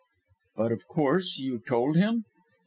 "But of course, you told him?"